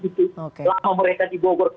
dengan antusias yang mulai muncul